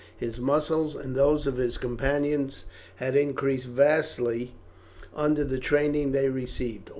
His muscles, and those of his companions, had increased vastly under the training they received.